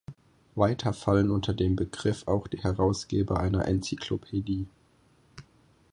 Weiter fallen unter den Begriff auch die Herausgeber einer Enzyklopädie.